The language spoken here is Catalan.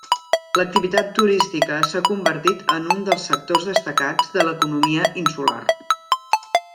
L'activitat turística s'ha convertit en un dels sectors destacats de l'economia insular.